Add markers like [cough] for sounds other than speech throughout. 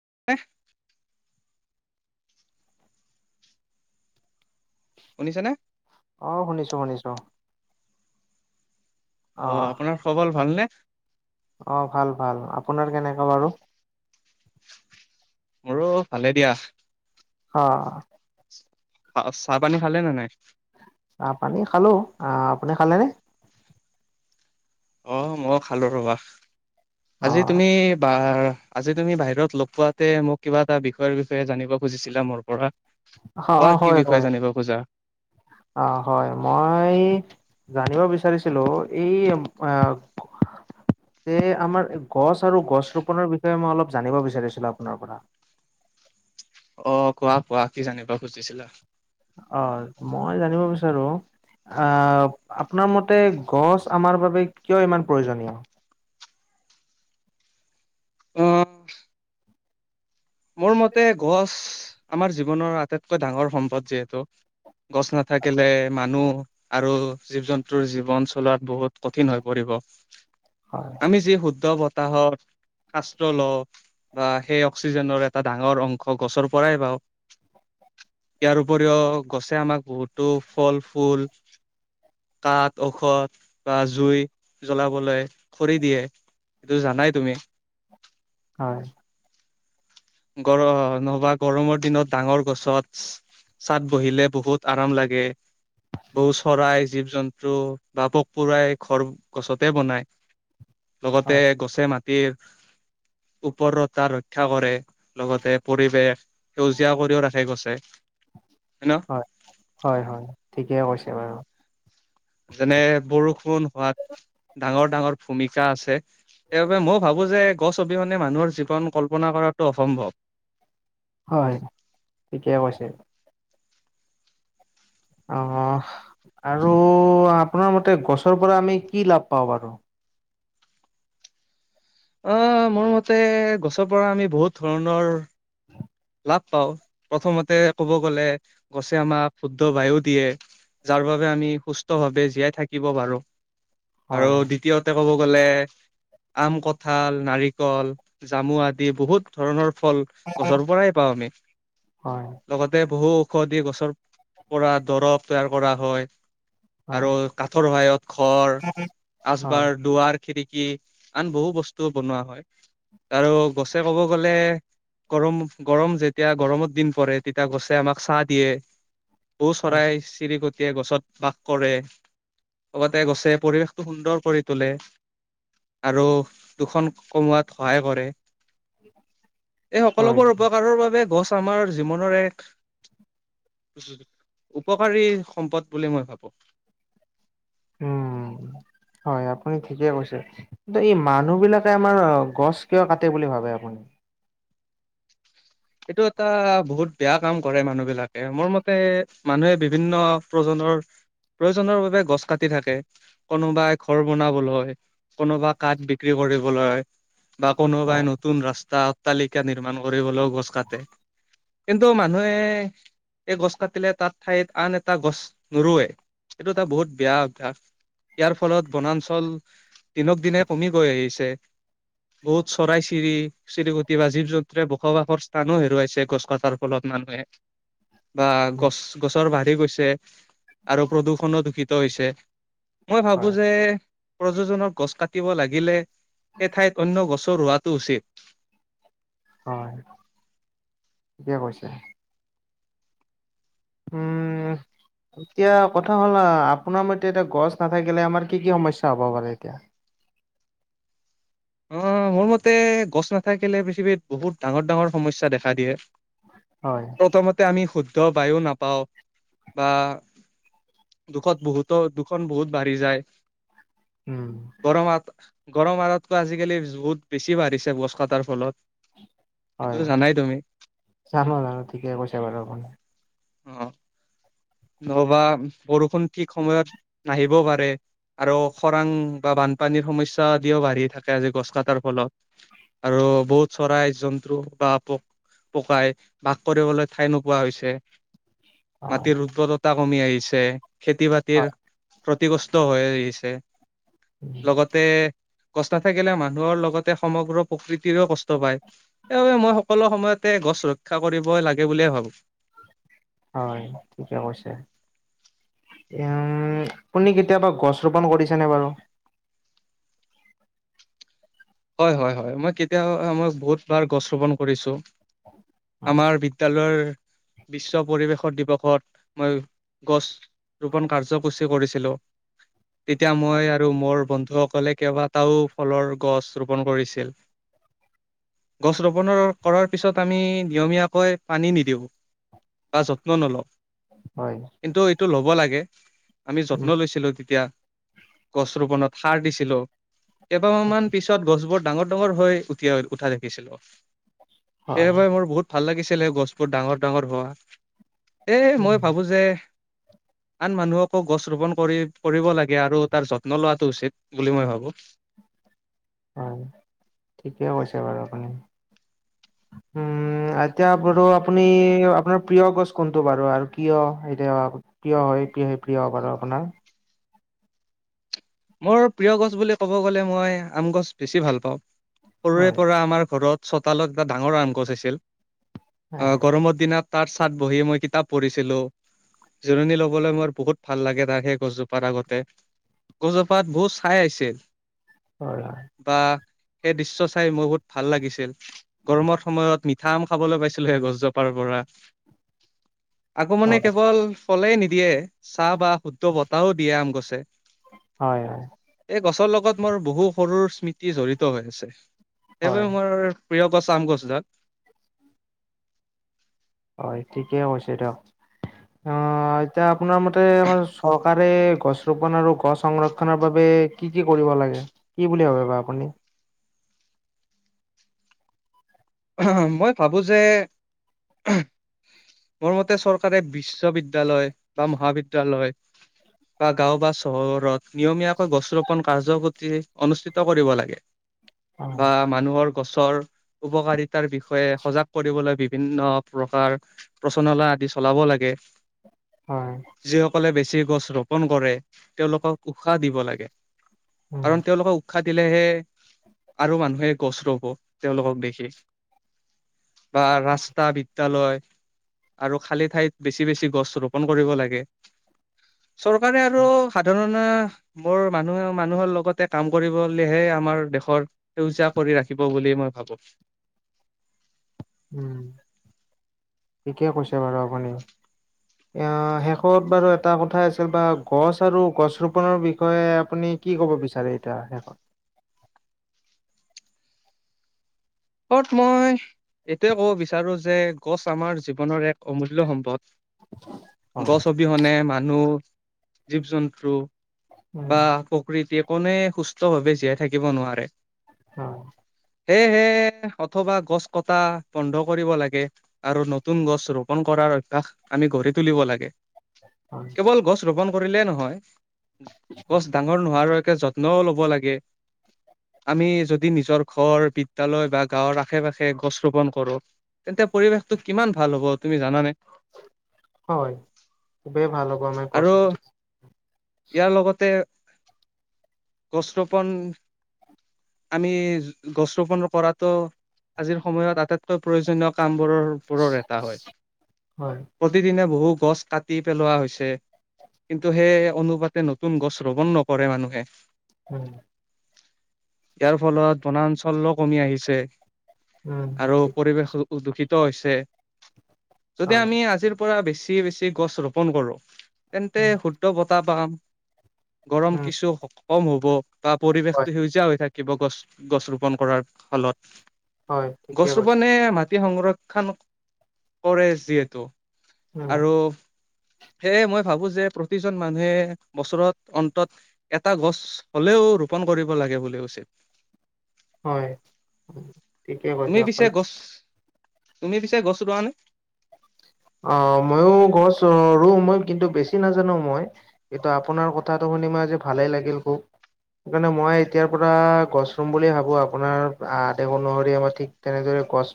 [unintelligible] শুনিছেনে? অ', শুনিছো- শুনিছো। অ', আপোনাৰ খবল ভালনে? অ', ভাল- ভাল। আপোনাৰ কেনেকা বাৰু? মোৰো ভালে দিয়া। অহ। চাহ পানী খালে নে নাই? অ', আপুনি খালেনে? অ', মই খালো ৰবা অ আজি তুমি বা আজি তুমি বাহিৰত লগ পোৱাতে মোক কিবা এটা বিষয়ৰ -বিষয়ে জানিব খুজিছিলা মোৰ পৰা। অ অ কোৱা কি হয় বিষয়ে হয় জানিব খোজা। অ', হয় মই জানিব বিচাৰিছিলো এই, এ এ, আমাৰ গছ আৰু গছ ৰোপনৰ বিষয়ে মই অলপ জানিব বিচাৰিছিলো। আপোনাৰ পৰা অ', কোৱা -কোৱা কি জানিব খুজিছিলা? অ', মই জানিব বিচাৰো আহ, আপোনাৰ মতে গছ আমাৰ বাবে কিয় ইমান প্ৰয়োজনীয়? উম মোৰ মতে গছ আমাৰ জীৱনৰ আটাইতকৈ ডাঙৰ সম্পদ যিহেতু। গছ নাথাকিলে মানুহ আৰু জীৱ জন্তুৰ জীৱন চলোৱাত বহুত কঠিন হৈ পৰিব। অহ'। হয় আমি যি শুদ্ধ বতাহত শাস্ত্ৰ লওঁ, বা সেই অক্স অক্সিজেনৰ এটা ডাঙৰ অংশ গছৰ পৰাই পাওঁ। ইয়াৰ উপৰিও গছে আমাক বহুতো ফল ফুল কাঠ ঔষধ বা জুই জ্বলাবলৈ খৰি দিয়ে তটো জানাই তুমি হয়। গৰ নহবা গৰমৰ দিনত ডাঙৰ গছত ছাত বহিলে বহুত আৰাম লাগে বহু চৰাই জীৱ জন্তু বা পোক পৰুৱাই ঘৰ গছতে বনায়। লগতে হয় গছে মাটিৰ ওপৰতা ৰক্ষা কৰে। লগতে পৰিৱেশ সেউজীয়া কৰিও ৰাখে গৈছে। হয়, হয়, হয় ঠিকে কৈছে বাৰু। যেনে বৰষুণ হোৱাত ডাঙৰ ডাঙৰ ভূমিকা আছে। সেইবাবে মই ভাবো যে গছ অবিহনে মানুহৰ জীৱন কল্পনা কৰাতটো অসম্ভৱ। হয় ঠিকে কৈছে। অ'। আৰু আপোনাৰ মতে গছৰ পৰা আমি কি লাভ পাওঁ বাৰু। অ' মোৰ মতে গছৰ পৰা আমি বহুত ধৰণৰ লাভ পাওঁ প্ৰথমতে ক'ব গ'লে গছে আমাক শুদ্ধ বায়ো দিয়ে। যাৰ বাবে আমি সুস্থ ভাৱে জীয়াই থাকিব পাৰো। হয়, ক'ব গলে আম কঠাল নাৰিকল জামু আদি বহুত ধৰণৰ ফল গছৰ পৰাই হয়, পাওঁ। বহু ঔষধি গছৰ পৰা দৰৱ তৈয়াৰ কৰা হয়। হয়, আৰু কাঠৰ সহায়ত ঘৰ হয়, আচবাৰ দুৱাৰ খিৰিকী আন বহু বস্তু বনোৱা হয়। আৰু গছে ক'ব গ'লে গৰম গৰম যেতিয়া গৰমত দিন পৰে তেতিয়া গছে আমাক চাহ দিয়ে বৌ হয়, চৰাই চিৰিকট গতিকে গছত বাস কৰে লগতে গছে পৰিৱেশটো সুন্দৰ কৰি তোলে আৰু দুখন কমোৱাত সহায় কৰে এই হয়, সকলোবোৰ উপকাৰৰ বাবে গছ আমাৰ উপকাৰী সম্পদ বুলি মই ভাবো। উম। [inaudible] হয় আপুনি ঠিকে কৈছে কিন্তু এই মানুহ বিলাকে আমাৰ গছ কিয় কাটে বুলি ভাবে আপুনি। এইটো এটা বহুত বেয়া কাম কৰে মানুহ বিলাকে মোৰ মতে মানুহে বিভিন্ন প্ৰজন্ম ধৰ প্ৰয়োজনৰ বাবে গছ কাটি থাকে কোনোবাই ঘৰ বনাবলৈ হয় কোনোবা কাঠ বিক্ৰী কৰিবলৈ বা কোনোবাই হয়, নতুন ৰাস্তা অট্টালিকা নিৰ্মাণ কৰিবলৈ গছ তাতে। কিন্তু মানুহে এই গছ কাটিলে তাত ঠাইত আন এটা গছ নোৰোৱে। এইটো এটা বহুত বেয়া অভ্যাস। ইয়াৰ ফলত বনাঞ্চল দিনক দিনে কমি গৈ আহিছে। বহুত চৰাই চিৰি চিৰিকুটি বা জীৱ জন্তুৰে বসবাসৰ টানো হেৰুৱাইছে গছ কটাৰ ফলত মানুহে বা গছ গছৰ ভাগ গৈছে আৰু প্ৰদূষণো দূষিত হৈছে মই ভাবো হয়, যে প্ৰযোজনৰ গছ কাটিব লাগিলে সেই ঠাইত অন্যয় গছ ৰুৱাটো উচ্ছিত। হয়, থিকে কৈছে। উম। এতিয়া কথা হ'ল আপোনাৰ মতে এতিয়া গছ নাথাকিলে আমাৰ কি কি সমস্যা হ'ব পাৰে এতিয়া। অ' মোৰ মতে গছ নাথাকিলে পৃথিৱীত বহুত ডাঙৰ ডাঙৰ সমস্যা দেখা দিয়ে। হয়, প্ৰথমতে আমি শুদ্ধ বায়ো নাপাওঁ বা দুখত বহুতো দুখন বহুত বাঢ়ি যায়। উম, গৰমত গৰমাৰত ত' আজিকালি ৰ'দ বহুত বেছি বাঢ়িছে গছ কটাৰ ফলত। হয়, এইটোতো জানাই তুমি জানো জানো ঠিকে কৈছে বাৰু আপুনি। অ' নহবা বৰষুণ ঠিক সময়ত নাহিবও পাৰে। আৰু খৰাং বা বানপানীৰ সমস্যা আদিও বাঢ়ি থাকে আজি গছ কটাৰ ফলত। আৰু বহুত চৰাই জন্তু বা আপক পকাই বাস কৰিবলৈ ঠাই নোপোৱা হৈছে। অ'। বতাহ কমি আহিছে খেতি বাতিৰ প্ৰতি কষ্ট হৈ আহিছে। হয়, লগতে গছ নাথাকিলে মানুহৰ লগতে সমগ্ৰ প্ৰকৃতিৰেো কষ্ট পায় সেইবাবে মই সকলো সময়তে গছ ৰক্ষা কৰিব লাগে বুলিয়ে ভাবোঁ। হয়, ঠিকে কৈছা উ, আপুনি কেতিয়াবা গছ ৰোপন কৰিছেনে বাৰু? হয়, হয়, হয়, মই কেতিয়াা আ মই বহুত বাৰ গছ ৰোপন কৰিছো। আমাৰ বিদ্যালয়ৰ বিশ্ব পৰিৱেশৰ দিৱসত মই গছ ৰোপন কাৰ্যসূচী কৰিছিলো। তেতিয়া মই আৰু মোৰ বন্ধুসকলে কেইবাটাও ফলৰ গছ ৰোপণ কৰিছিল গছ ৰোপণৰ কৰাৰ পিছত আমি নিয়মীয়াকৈ পানী নিদিওঁ। বা যত্ন নলওঁ হয়, কিন্তু এইটো ল'ব লাগে। আমি যত্ন উম, লৈছিলো তেতিয়া গছ ৰোপনত সাৰ দিছিলো কেইবামান গছ বোৰ ডাঙৰ ডাঙৰ হৈ উঠি উঠা দেখিছিলো হয়, সেইবাবে মোৰ বহুত ভাল লাগিছিল। গছবোৰ ডাঙৰ ডাঙৰ হোৱা এই উম, মই ভাবো যে আন মানুহকো গছ ৰোপন কৰি, কৰিব লাগে আৰু তাৰ যত্ন লোৱাটো উচিত বুলি মই ভাবোঁ। হয়, ঠিকে কৈছে বাৰু আপুনি। [inaudible] উম, এতিয়া বাৰু আপুনি আপোনাৰ প্ৰিয় গছ কোনটো বাৰু আৰু কিয় এতিয়া প্ৰিয় হয় [unintelligible] প্ৰিয় বাৰু আপোনাৰ? মোৰ প্ৰিয় গছ বুলি ক'ব গ'লে মই আম গছ বেছি ভাল পাওঁ। সৰুৰে হয়, পৰা আমাৰ ঘৰত চোতালত এটা ডাঙৰ আম গছ আছিল আ, হয়, গৰমৰ দিনত তাত ছাত বহি মই কিতাপ পঢ়িছিলোঁ। জোৰণি ল'বলৈ মোৰ বহুত ভাল লাগে তাৰ সেই গছজোপাৰ আগতে। গজোপাত বহুত চাই আছিল। হয়, হয়, বা সেই দৃশ্য চাই মোৰ বহুত ভাল লাগিছিল গৰমৰ সময়ত থাম খাবলৈ পাইছিলো সেই গছজোপাৰ পৰা আকৌ মানে হয়, কেৱল কলেই নিদিয়ে চাহ বা শুদ্ধ বটাহও দিয়ে আম গছে। হয়, হয়, এই গছৰ লগত মোৰ বহু সৰুৰ স্মৃতি জড়িত হৈ আছে সেইবাবে হয়, মোৰ প্ৰিয় গছ আম গছ ডাল। হয় ঠিকেই হৈছে দিয়ক। অ', এতিয়া আপোনাৰ মতে আমাৰ চৰকাৰে গছ ৰোপন আৰু গছ সংৰক্ষনৰৰ বাবে কি কি কৰিব লাগে কি বুলি ভাবে বা আপুনি? অ', মই ভাবো যে মোৰ মতে চৰকাৰে বিশ্ববিদ্যালয় বা মহাবিদ্যালয় বা গাঁও বা চহৰত নিয়মীয়াকৈ গছ ৰোপন কাৰ্যসূচী অনুষ্ঠিত কৰিব লাগে। হয়, বা মানুহৰ গছৰ উপকাৰিত তাৰ বিষয়ে সজাগ কৰিবলৈ বিভিন্ন প্ৰকাৰ প্ৰচনলা আদি চলাব লাগে। হয়, যিসকলে বেছি গছ ৰোপন কৰে তেওঁলোকক উশাহ দিব লাগে। উম, কাৰণ তেওঁলোকক খাটিলেহে আৰু মানুহে গছ ৰুব তেওঁলোকক দেখি। বা ৰাস্তা বিদ্যালয় আৰু খালী ঠাইত বেছি বেছি গছ ৰোপন কৰিব লাগে। চৰকাৰে আৰু সাধাৰণে মোৰ মানুহে মানুহৰ লগতে কাম কৰিবলেহে আমাৰ দেশৰ সেউজা কৰি ৰাখিব বুলি মই ভাবোঁ। উম, ঠিকে কৈছে বাৰু আপুনি। অ', শেষত বাৰু এটা কথা আছিল বা গছ আৰু গছ ৰোপনৰ বিষয়ে আপুনি কি ক'ব বিচাৰে এতিয়া শেষত? [inaudible] কত মই এইটোৱে ক'ব বিচাৰো যে গছ আমাৰ জীৱনৰ এক অমুল্য সম্পদ। হয়, গছ অবিহনে মানুহ জীৱ জন্তু বা উম, প্ৰকৃতিয়ে কোনে সুস্থ ভাৱে জীয়াই থাকিব নোৱাৰে। হয় [unintelligible] হে হে অথবা গছ কটা বন্ধ কৰিব লাগে, আৰু নতুন গছ ৰোপন কৰাৰ অভ্যাস আমি আমি গঢ়ি তুলিব লাগে। হয়, কেৱল গছ ৰোপন কৰিলেই নহয়, গছ ডাঙৰ নোহোৱাৰ যত্নও লব লাগে, আমি যদি নিজৰ ঘৰ বিদ্যালয় বা গাঁৱৰ আশে পাশে গছ ৰোপন কৰো তেন্তে পৰিৱেশটো কিমান ভাল হ'ব তুমি জানানে? [inaudible] হয় খুবেই ভাল হ'ব আমাৰ গছ আৰু ইয়াৰ লগতে গছ ৰোপন আমি গছ ৰোপনৰ পৰাত ত' আজিৰ সময়ত আটাইতকৈ প্ৰয়োজনীয় কাম ঘৰৰ উপৰত এটা হয়, হয়, প্ৰতিদিনে বহু গছ কাটি পেলোৱা হৈছে। কিন্তু সেই অনুপাতে নতুন গছ ৰৱন নকৰে মানুহে। হম ইয়াৰ ফলত বনাঞ্চলও কমি আহিছে। উম, আৰু ঠিক পৰিৱেশ দূষিত হৈছে, যদি হয়, আমি আজিৰ পৰা বেছি বেছি গছ ৰোপন কৰো, তেন্তে উম, শুদ্ধ বতাহ পাম গৰম উম, কিছু কম হব, বা হয়, পৰিৱেশটো সেউজীয়া হৈ থাকে কিবা গছ গছ ৰোপণ কৰাৰ ফালত হয় ঠিকে কৈছে মাটি সংৰক্ষণ কৰে যিহেত, উম, আৰু সেয়ে মই ভাবো যে প্ৰতিজন মানুহে বছৰত অন্তত এটা গছ হলেও ৰোপন কৰিব লাগে বুলি উচিত। হয় ঠিকে তুমি কৈছে পিছে আপুনি। গছ তুমি পিছে গছ ৰোৱানে? অ' মইয়ো গছ ৰোওঁ, মই কিন্তু বেছি নাজানো মই কিন্তু আপোনাৰ কথাটো-া আপুনি মই আজি ভালেই লাগিল খুব সেইকাৰণে মই এতিয়াৰ পৰা গছ ৰুম বুলি ভাবো আপোনাৰ আদেশ অনুসৰি আমাৰ ঠিক তেনেদৰে গছ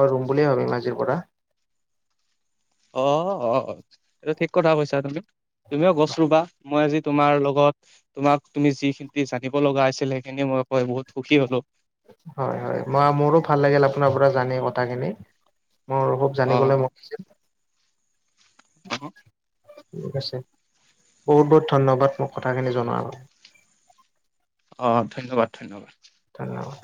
মই ৰুম বুলি ভাবিম আজিৰ পৰা। অ' অ' এইটো ঠিক কথা কৈছা তুমি, তুমিও গছ ৰুবা। মই আজি তোমাৰ লগত তোমাক তুমি যিখিনি জানিব লগা আছিল সেইখিনি মই কৈ বহুত সুখী হ'লো। হয় হয় মই মোৰো ভাল লাগিল আপোনাৰ পৰা জানি কথাখিনি। মোৰ অ খুব জানিবলৈ মন আছিল। ক [unintelligible] ঠিক আছে, বহুত বহুত ধন্যবাদ মোক কথাখিনি জনোৱা বাবে। অ, ধন্যবাদ-ধন্যবাদ। ধন্যবাদ।